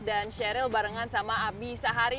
dan sheryl barengan sama abi sahari